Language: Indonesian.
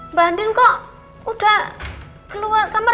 mbak andin kok udah keluar kamar